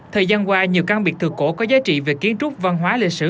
thời gian qua nhiều căn biệt thự cổ có giá trị về kiến trúc văn hóa lịch sử